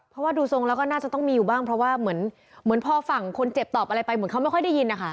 เพราะว่าดูทรงแล้วก็น่าจะต้องมีอยู่บ้างเพราะว่าเหมือนพอฝั่งคนเจ็บตอบอะไรไปเหมือนเขาไม่ค่อยได้ยินนะคะ